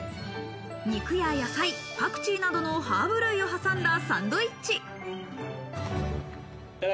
肉や野菜、パクチーなどのハーブ類を挟んだサンドイッチ。